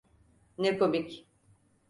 Ne komik!